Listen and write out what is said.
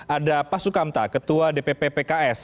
ada pak sukamta ketua dpp pks